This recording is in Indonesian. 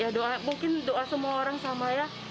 ya doa mungkin doa semua orang sama ya